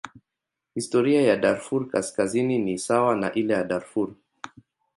Historia ya Darfur Kaskazini ni sawa na ile ya Darfur.